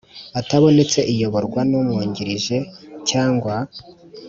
atabonetse iyoborwa n Umwungirije cyangwa